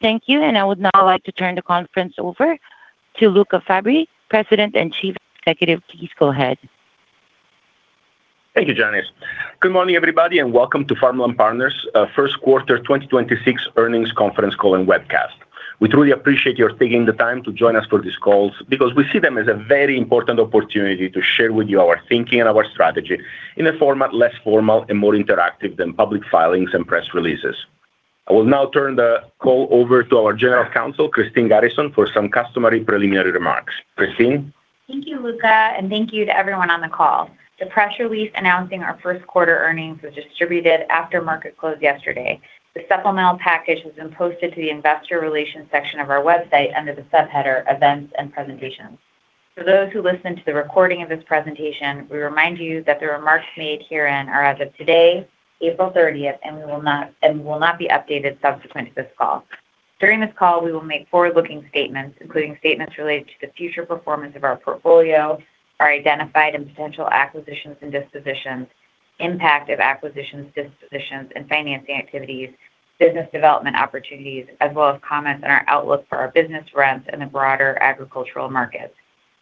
Thank you. I would now like to turn the conference over to Luca Fabbri, President and Chief Executive, please go ahead. Thank you, Janice. Good morning, everybody, and welcome to Farmland Partners' first quarter 2026 earnings conference call and webcast. We truly appreciate your taking the time to join us for this call because we see them as a very important opportunity to share with you our thinking and our strategy in a format less formal and more interactive than public filings and press releases. I will now turn the call over to our General Counsel, Christine M. Garrison, for some customary preliminary remarks. Christine. Thank you, Luca, and thank you to everyone on the call. The press release announcing our first quarter earnings was distributed after market close yesterday. The supplemental package has been posted to the investor relations section of our website under the subheader Events and Presentations. For those who listen to the recording of this presentation, we remind you that the remarks made herein are as of today, April 30th, and will not be updated subsequent to this call. During this call, we will make forward-looking statements, including statements related to the future performance of our portfolio, our identified and potential acquisitions and dispositions, impact of acquisitions, dispositions and financing activities, business development opportunities, as well as comments on our outlook for our business rents in the broader agricultural markets.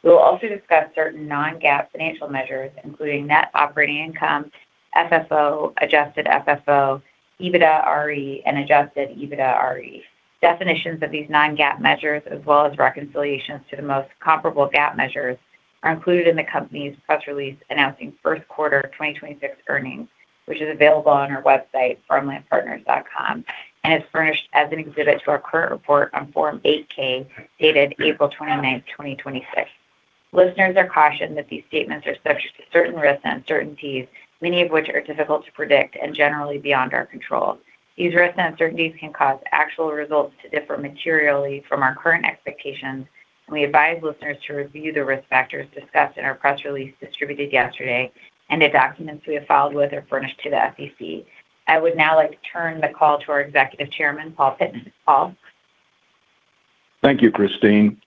We'll also discuss certain non-GAAP financial measures, including net operating income, FFO, adjusted FFO, EBITDAre, and Adjusted EBITDAre. Definitions of these non-GAAP measures, as well as reconciliations to the most comparable GAAP measures, are included in the company's press release announcing first quarter 2026 earnings, which is available on our website, farmlandpartners.com, and is furnished as an exhibit to our current report on Form 8-K, dated April 29th, 2026. Listeners are cautioned that these statements are subject to certain risks and uncertainties, many of which are difficult to predict and generally beyond our control. These risks and uncertainties can cause actual results to differ materially from our current expectations. We advise listeners to review the risk factors discussed in our press release distributed yesterday and the documents we have filed with or furnished to the SEC. I would now like to turn the call to our Executive Chairman, Paul Pittman. Paul. Thank you, Christine.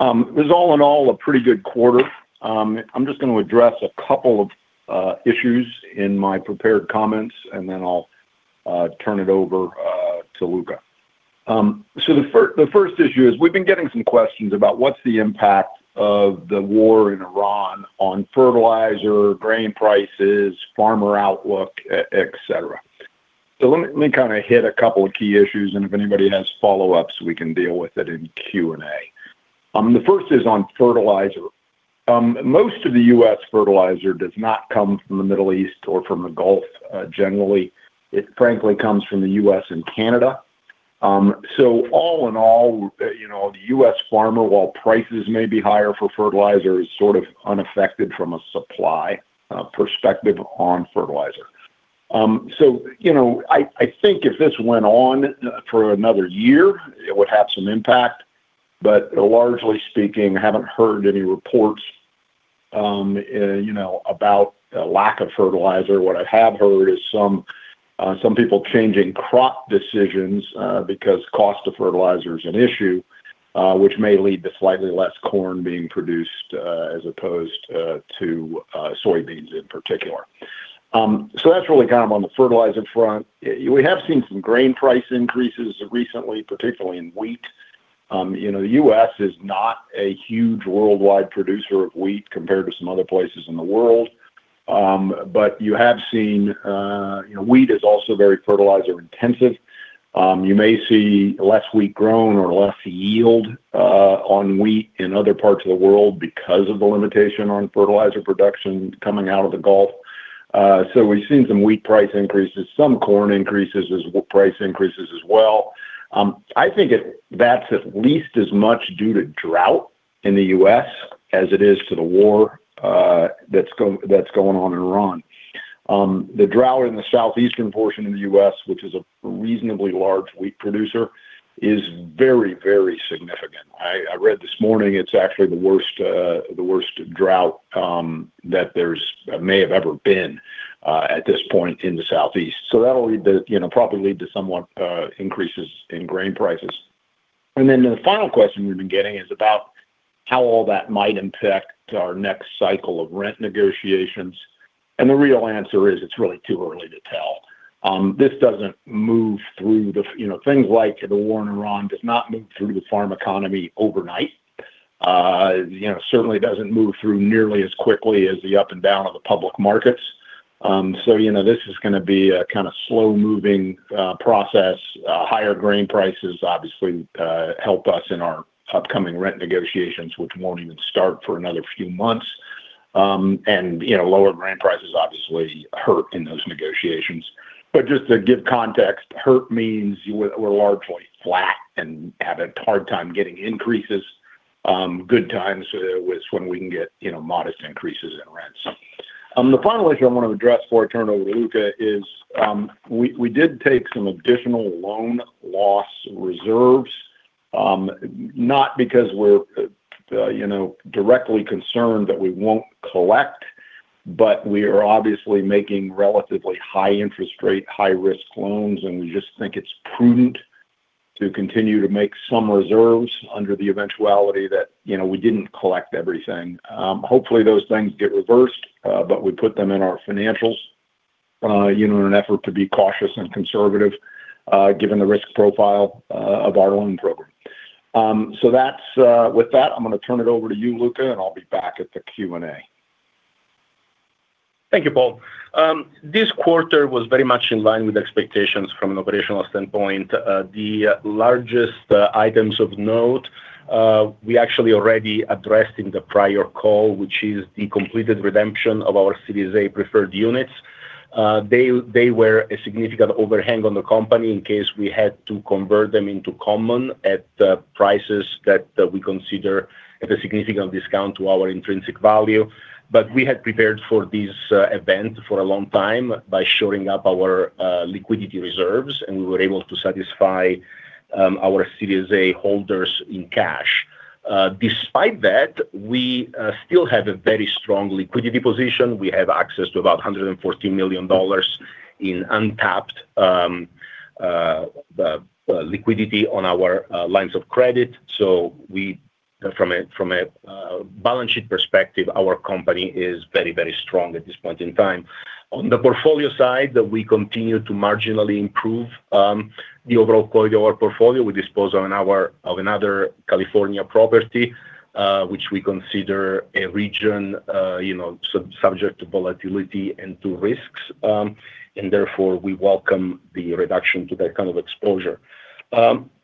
It was all in all a pretty good quarter. I'm just gonna address a couple of issues in my prepared comments, and then I'll turn it over to Luca. The first issue is we've been getting some questions about what's the impact of the war in Iran on fertilizer, grain prices, farmer outlook, et cetera. Let me kind of hit a couple of key issues, and if anybody has follow-ups, we can deal with it in Q&A. The first is on fertilizer. Most of the U.S. fertilizer does not come from the Middle East or from the Gulf. Generally, it frankly comes from the U.S. and Canada. All in all, the U.S. farmer, while prices may be higher for fertilizer, is sort of unaffected from a supply perspective on fertilizer. I think if this went on for another year, it would have some impact, but largely speaking, I haven't heard any reports about a lack of fertilizer. What I have heard is some people changing crop decisions because cost of fertilizer is an issue, which may lead to slightly less corn being produced as opposed to soybeans in particular. That's really kind of on the fertilizer front. We have seen some grain price increases recently, particularly in wheat. The U.S. is not a huge worldwide producer of wheat compared to some other places in the world. You have seen, wheat is also very fertilizer intensive. You may see less wheat grown or less yield on wheat in other parts of the world because of the limitation on fertilizer production coming out of the Gulf. We've seen some wheat price increases, some corn increases as price increases as well. I think that's at least as much due to drought in the U.S. as it is to the war that's going on in Iran. The drought in the southeastern portion of the U.S., which is a reasonably large wheat producer, is very, very significant. I read this morning it's actually the worst, the worst drought, that may have ever been at this point in the southeast. That'll lead to, you know, probably lead to somewhat, increases in grain prices. The final question we've been getting is about how all that might impact our next cycle of rent negotiations. The real answer is it's really too early to tell. This doesn't move through the, you know, things like the war in Iran does not move through the farm economy overnight. You know, certainly doesn't move through nearly as quickly as the up and down of the public markets. This is gonna be a kinda slow-moving, process. Higher grain prices obviously, help us in our upcoming rent negotiations, which won't even start for another few months. You know, lower grain prices obviously hurt in those negotiations. Just to give context, hurt means we're largely flat and have a hard time getting increases. Good times is when we can get, you know, modest increases in rents. The final issue I wanna address before I turn over to Luca is, we did take some additional loan loss reserves, not because we're, you know, directly concerned that we won't collect, but we are obviously making relatively high interest rate, high risk loans, and we just think it's prudent to continue to make some reserves under the eventuality that, you know, we didn't collect everything. Hopefully, those things get reversed, but we put them in our financials. You know, in an effort to be cautious and conservative, given the risk profile, of our loan program. With that, I'm gonna turn it over to you, Luca, and I'll be back at the Q&A. Thank you, Paul. This quarter was very much in line with expectations from an operational standpoint. The largest items of note, we actually already addressed in the prior call, which is the completed redemption of our Series A preferred units. They were a significant overhang on the company in case we had to convert them into common at prices that we consider at a significant discount to our intrinsic value. We had prepared for this event for a long time by shoring up our liquidity reserves, and we were able to satisfy our Series A holders in cash. Despite that, we still have a very strong liquidity position. We have access to about $114 million in untapped liquidity on our lines of credit. We from a balance sheet perspective, our company is very, very strong at this point in time. On the portfolio side, we continue to marginally improve the overall quality of our portfolio. We dispose of another California property, which we consider a region, you know, subject to volatility and to risks, and therefore we welcome the reduction to that kind of exposure.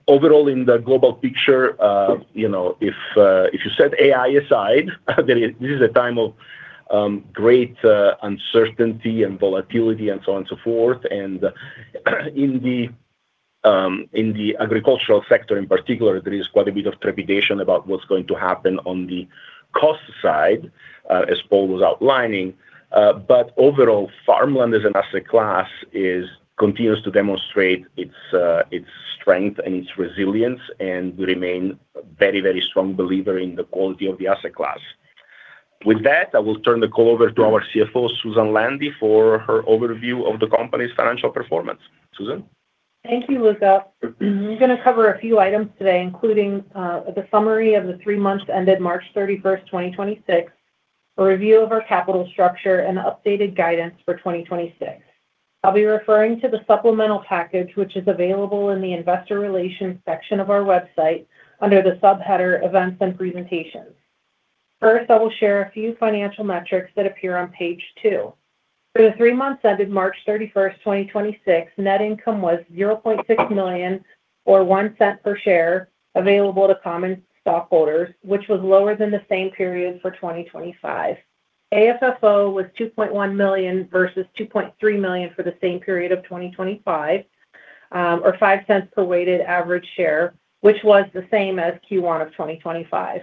Overall, in the global picture, you know, if you set AI aside, this is a time of great uncertainty and volatility and so on and so forth. In the agricultural sector in particular, there is quite a bit of trepidation about what's going to happen on the cost side, as Paul was outlining. Overall, farmland as an asset class continues to demonstrate its strength and its resilience, and we remain a very, very strong believer in the quality of the asset class. With that, I will turn the call over to our CFO, Susan Landi, for her overview of the company's financial performance. Susan? Thank you, Luca. We're gonna cover a few items today, including the summary of the three months ended March 31st, 2026, a review of our capital structure, and updated guidance for 2026. I'll be referring to the supplemental package, which is available in the investor relations section of our website under the subheader Events and Presentations. First, I will share a few financial metrics that appear on page two. For the three months ended March 31st, 2026, net income was $0.6 million, or $0.01 per share available to common stockholders, which was lower than the same period for 2025. AFFO was $2.1 million versus $2.3 million for the same period of 2025, or $0.05 per weighted average share, which was the same as Q1 of 2025.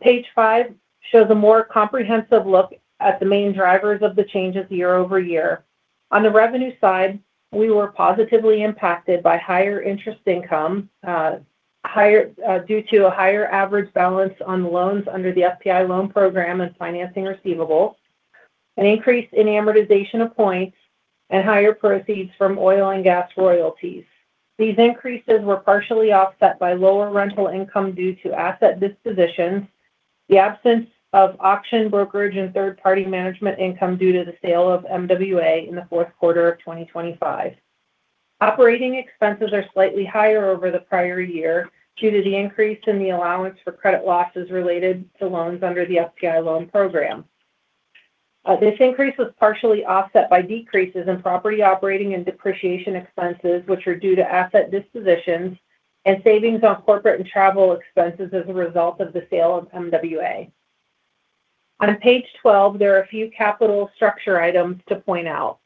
Page 5 shows a more comprehensive look at the main drivers of the changes year-over-year. On the revenue side, we were positively impacted by higher interest income due to a higher average balance on loans under the FPI Loan Program and financing receivables, an increase in amortization of points, and higher proceeds from oil and gas royalties. These increases were partially offset by lower rental income due to asset dispositions, the absence of auction brokerage and third-party management income due to the sale of MWA in the fourth quarter of 2025. Operating expenses are slightly higher over the prior year due to the increase in the allowance for credit losses related to loans under the FPI Loan Program. This increase was partially offset by decreases in property operating and depreciation expenses, which are due to asset dispositions and savings on corporate and travel expenses as a result of the sale of MWA. On page 12, there are a few capital structure items to point out.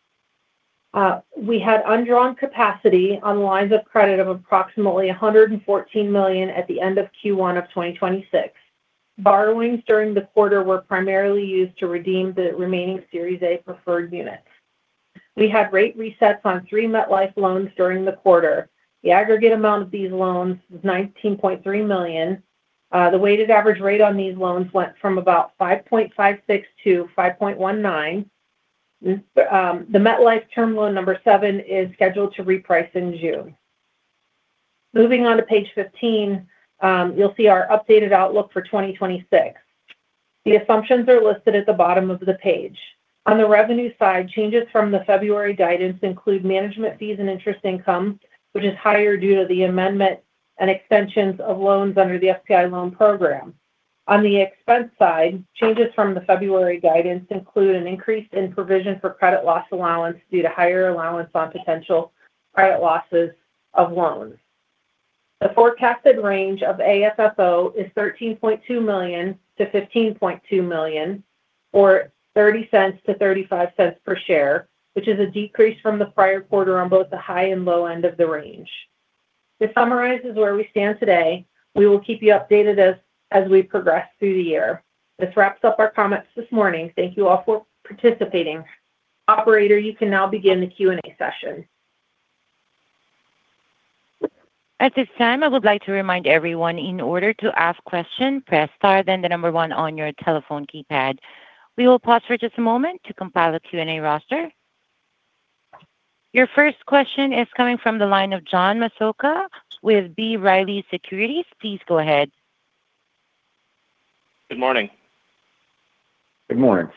We had undrawn capacity on lines of credit of approximately $114 million at the end of Q1 of 2026. Borrowings during the quarter were primarily used to redeem the remaining Series A preferred units. We had rate resets on three MetLife loans during the quarter. The aggregate amount of these loans was $19.3 million. The weighted average rate on these loans went from about 5.56 to 5.19. The MetLife term loan number seven is scheduled to reprice in June. Moving on to page 15, you'll see our updated outlook for 2026. The assumptions are listed at the bottom of the page. On the revenue side, changes from the February guidance include management fees and interest income, which is higher due to the amendment and extensions of loans under the FPI loan program. On the expense side, changes from the February guidance include an increase in provision for credit loss allowance due to higher allowance on potential credit losses of loans. The forecasted range of AFFO is $13.2 million-$15.2 million, or $0.30-$0.35 per share, which is a decrease from the prior quarter on both the high and low end of the range. This summarizes where we stand today. We will keep you updated as we progress through the year. This wraps up our comments this morning. Thank you all for participating. Operator, you can now begin the Q&A session. At this time, I would like to remind everyone in order to ask question, press star then the one on your telephone keypad. We will pause for just a moment to compile a Q&A roster. Your first question is coming from the line of John Massocca with B. Riley Securities. Please go ahead. Good morning. Good morning.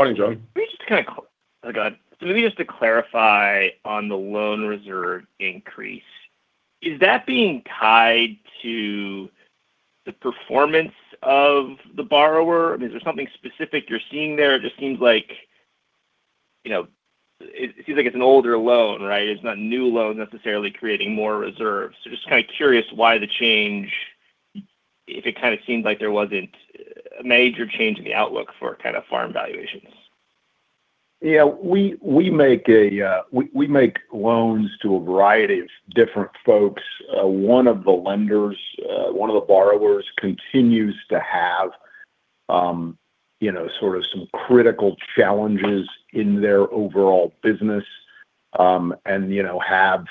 Morning, John. Let me just kind of Oh, Go ahead. Maybe just to clarify on the loan reserve increase, is that being tied to the performance of the borrower? I mean, is there something specific you're seeing there? It just seems like, you know, it seems like it's an older loan, right? It's not a new loan necessarily creating more reserves. Just kind of curious why the change, if it kind of seemed like there wasn't a major change in the outlook for kind of farm valuations. Yeah. We make loans to a variety of different folks. One of the lenders, one of the borrowers continues to have, you know, sort of some critical challenges in their overall business, and, you know, have,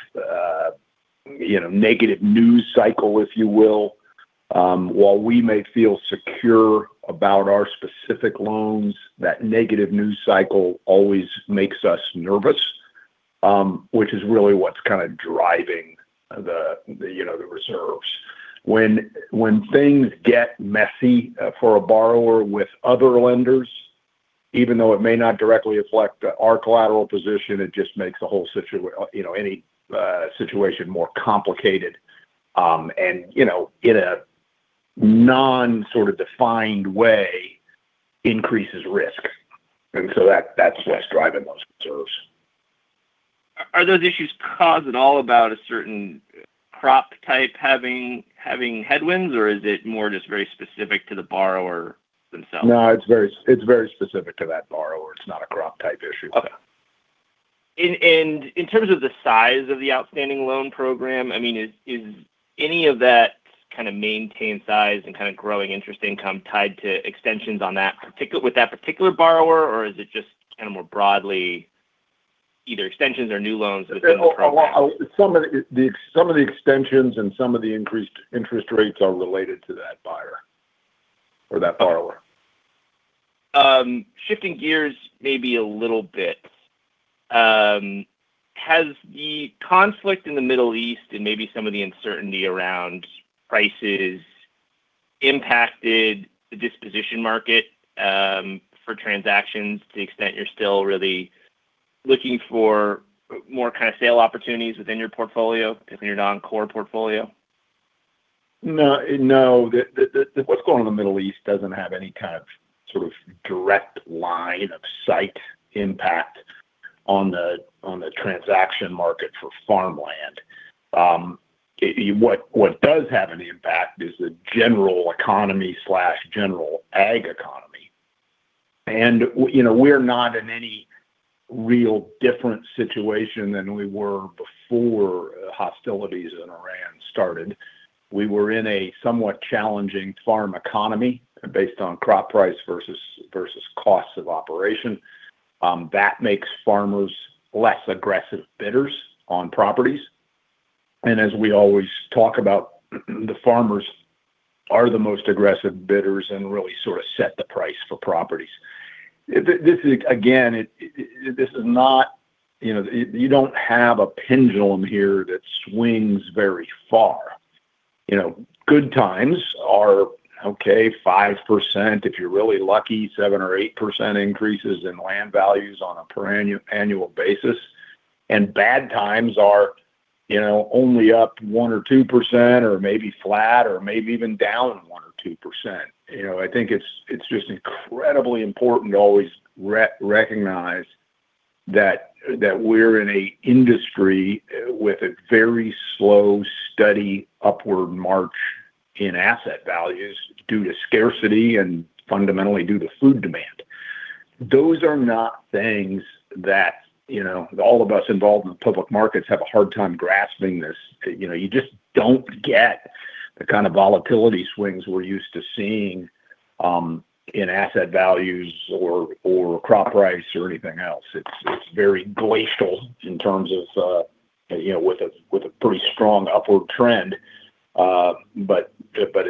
you know, negative news cycle, if you will. While we may feel secure about our specific loans, that negative news cycle always makes us nervous, which is really what's kind of driving the, you know, the reserves. When things get messy for a borrower with other lenders, even though it may not directly affect our collateral position, it just makes the whole, you know, any situation more complicated, and, you know, in a non sort of defined way increases risk. That's what's driving those concerns. Are those issues caused at all about a certain crop type having headwinds, or is it more just very specific to the borrower themselves? No, it's very, it's very specific to that borrower. It's not a crop type issue. Okay. In terms of the size of the outstanding Loan Program, I mean, is any of that kind of maintained size and kind of growing interest income tied to extensions on that with that particular borrower, or is it just kind of more broadly either extensions or new loans within the Program? Some of the some of the extensions and some of the increased interest rates are related to that buyer or that borrower. Shifting gears maybe a little bit, has the conflict in the Middle East and maybe some of the uncertainty around prices impacted the disposition market, for transactions to the extent you're still really looking for more kind of sale opportunities within your portfolio, within your non-core portfolio? No, no. What's going on in the Middle East doesn't have any kind of sort of direct line of sight impact on the transaction market for farmland. What does have an impact is the general economy/general ag economy. You know, we're not in any real different situation than we were before hostilities in Iran started. We were in a somewhat challenging farm economy based on crop price versus cost of operation. That makes farmers less aggressive bidders on properties. As we always talk about, the farmers are the most aggressive bidders and really sort of set the price for properties. This is, again, this is not, you know, you don't have a pendulum here that swings very far. You know, good times are, okay, 5%, if you're really lucky, 7% or 8% increases in land values on a per annual basis, bad times are, you know, only up 1% or 2%, or maybe flat, or maybe even down 1% or 2%. You know, I think it's just incredibly important to always recognize that we're in a industry with a very slow, steady upward march in asset values due to scarcity and fundamentally due to food demand. Those are not things that, you know, all of us involved in public markets have a hard time grasping this. You know, you just don't get the kind of volatility swings we're used to seeing in asset values or crop price or anything else. It's very glacial in terms of, you know, with a pretty strong upward trend. It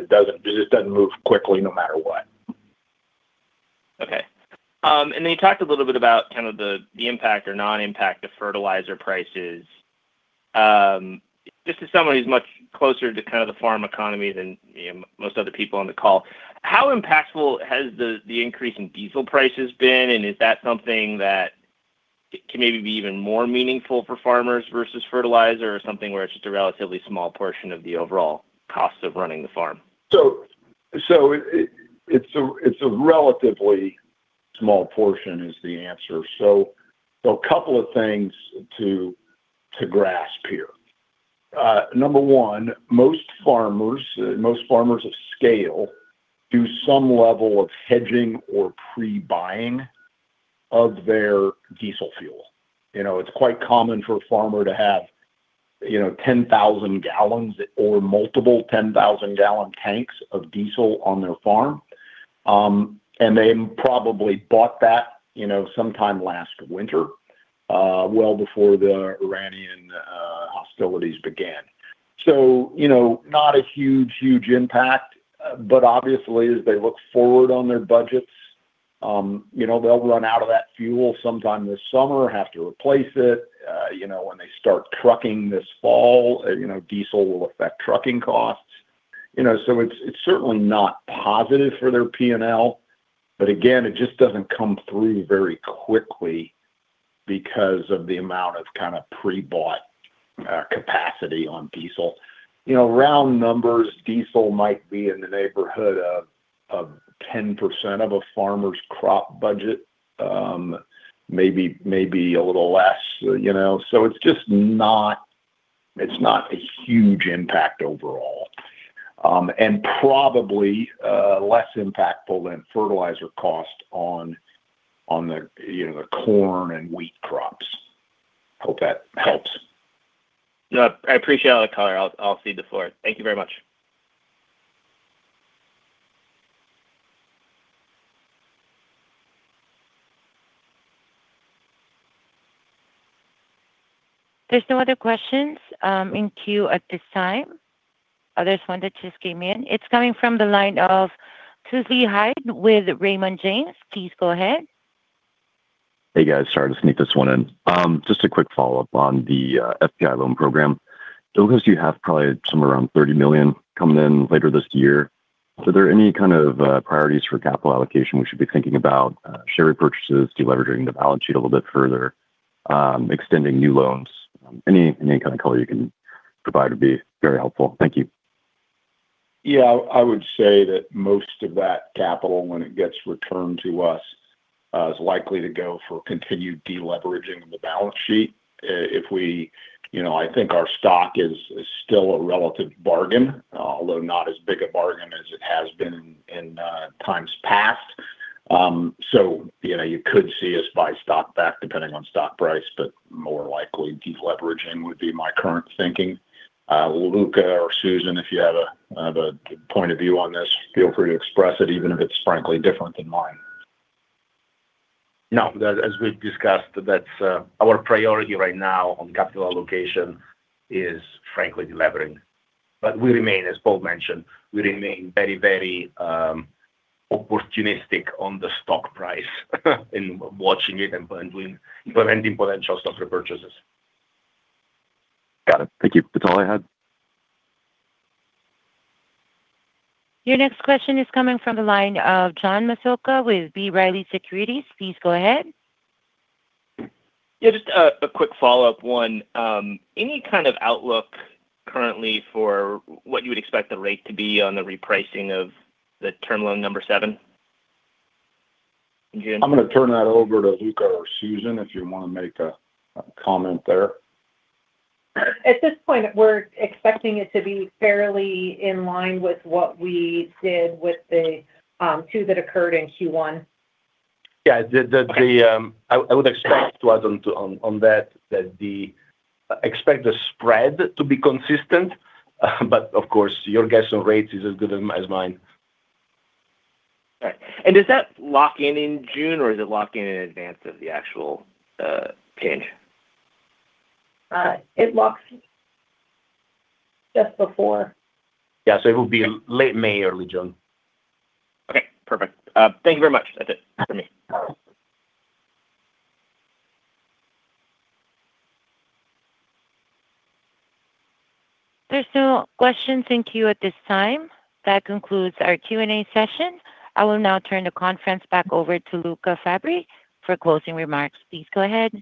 doesn't, it just doesn't move quickly no matter what. Okay. You talked a little bit about kind of the impact or non-impact of fertilizer prices. Just as someone who's much closer to kind of the farm economy than, you know, most other people on the call, how impactful has the increase in diesel prices been, and is that something that can maybe be even more meaningful for farmers versus fertilizer or something where it's just a relatively small portion of the overall cost of running the farm? It's a relatively small portion is the answer. A couple of things to grasp here. Number one, most farmers, most farmers of scale do some level of hedging or pre-buying of their diesel fuel. You know, it's quite common for a farmer to have, you know, 10,000 gallons or multiple 10,000 gallon tanks of diesel on their farm. And they probably bought that, you know, sometime last winter, well before the Iranian hostilities began. You know, not a huge impact, but obviously as they look forward on their budgets, you know, they'll run out of that fuel sometime this summer, have to replace it. You know, when they start trucking this fall, you know, diesel will affect trucking costs. You know, it's certainly not positive for their P&L, but again, it just doesn't come through very quickly because of the amount of kind of pre-bought capacity on diesel. You know, round numbers, diesel might be in the neighborhood of 10% of a farmer's crop budget, maybe a little less, you know. It's just not, it's not a huge impact overall. Probably less impactful than fertilizer cost on the, you know, the corn and wheat crops. Hope that helps. Yeah. I appreciate all the color. I'll cede the floor. Thank you very much. There's no other questions in queue at this time. Oh, there's one that just came in. It's coming from the line of Susie Hyde with Raymond James. Please go ahead. Hey, guys. Sorry, just sneak this one in. Just a quick follow-up on the FPI Loan Program. It looks you have probably somewhere around $30 million coming in later this year. Are there any kind of priorities for capital allocation we should be thinking about, share repurchases, deleveraging the balance sheet a little bit further, extending new loans? Any, any kind of color you can provide would be very helpful. Thank you. Yeah. I would say that most of that capital when it gets returned to us, is likely to go for continued deleveraging of the balance sheet. You know, I think our stock is still a relative bargain, although not as big a bargain as it has been in times past. You know, you could see us buy stock back depending on stock price, but more likely deleveraging would be my current thinking. Luca or Susan, if you have a point of view on this, feel free to express it, even if it's frankly different than mine. No. The, as we've discussed, that's our priority right now on capital allocation is frankly delevering. We remain, as Paul mentioned, we remain very, very opportunistic on the stock price in watching it and planning, implementing potential stock repurchases. Got it. Thank you. That's all I had. Your next question is coming from the line of John Massocca with B. Riley Securities. Please go ahead. Yeah. Just a quick follow-up one. Any kind of outlook currently for what you would expect the rate to be on the repricing of the term loan number seven in June? I'm gonna turn that over to Luca or Susan, if you wanna make a comment there. At this point, we're expecting it to be fairly in line with what we did with the two that occurred in Q1. Yeah. I would expect to add on to that, expect the spread to be consistent, Of course your guess on rates is as good as mine. All right. Does that lock in in June, or is it locking in advance of the actual change? It locks just before. Yeah. It will be- Okay late May, early June. Okay, perfect. Thank you very much. That's it for me. There's no questions in queue at this time. That concludes our Q&A session. I will now turn the conference back over to Luca Fabbri for closing remarks. Please go ahead.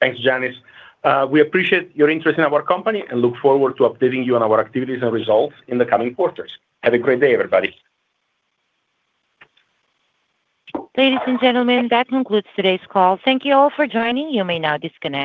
Thanks, Janice. We appreciate your interest in our company and look forward to updating you on our activities and results in the coming quarters. Have a great day, everybody. Ladies and gentlemen, that concludes today's call. Thank you all for joining. You may now disconnect.